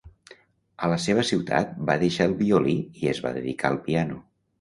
A la seva ciutat va deixar el violí i es va dedicar al piano.